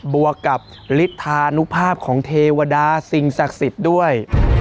บวกกับฤทธานุภาพของเทวดาสิ่งศักดิ์สิทธิ์ด้วย